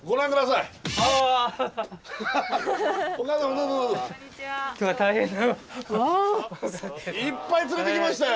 いっぱい連れてきましたよ。